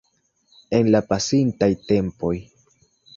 En la pasintaj tempoj.